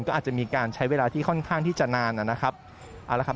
ก็อาจจะมีการใช้เวลาที่ค่อนข้างที่จะนานนะครับ